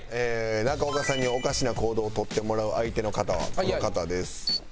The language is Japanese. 中岡さんにおかしな行動を取ってもらう相手の方はこの方です。